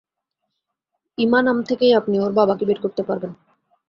ইমা নাম থেকেই আপনি ওর বাবাকে বের করতে পারবেন।